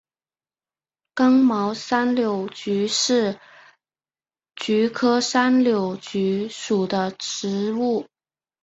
刚毛山柳菊是菊科山柳菊属的植物。